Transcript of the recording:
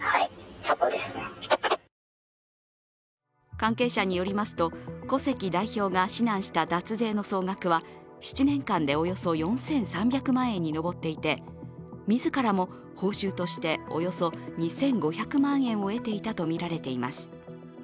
関係者によりますと、古関代表が指南した脱税の総額は７年間でおよそ４３００万円に上っていて、自らも報酬としておよそ２５００万円を得ていたとみられています。